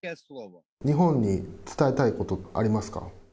日本に伝えたいこと、ありますか？